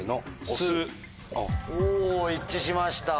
お一致しました。